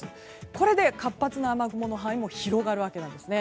これで活発な雨雲の範囲も広がるわけですね。